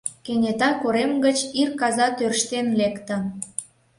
Кенета корем гыч ир каза тӧрштен лекте.